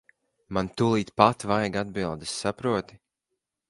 Man tūlīt pat vajag atbildes, saproti.